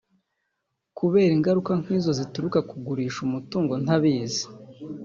kubera ingaruka nkizo zituruka ku gurisha umutungo ntabizi